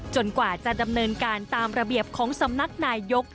กว่าจะดำเนินการตามระเบียบของสำนักนายยก